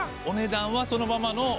お値段はそのままの。